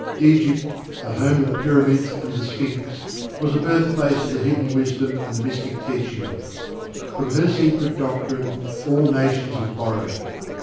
Egypt, the home of the Pyramids and the Sphinx, was the birthplace of the Hidden Wisdom and Mystic Teachings. From her Secret Doctrine all nations have borrowed.